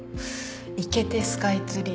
いけてスカイツリー。